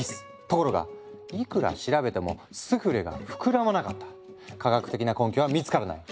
ところがいくら調べてもスフレが膨らまなかった科学的な根拠は見つからない。